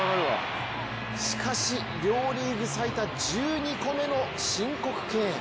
しかし、両リーグ最多１２個目の申告敬遠。